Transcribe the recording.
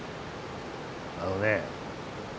あのね。